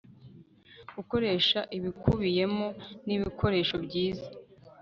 Gukoresha ibikubiyemo nibikoresho byiza